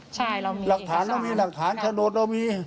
ใช่เรามีหลักฐานเรามีหลักฐานโฉนดเรามี